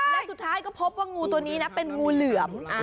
และสุดท้ายก็พบว่างูตัวนี้นะเป็นงูเหลือม